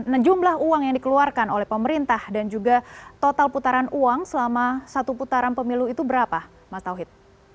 nah jumlah uang yang dikeluarkan oleh pemerintah dan juga total putaran uang selama satu putaran pemilu itu berapa mas tauhid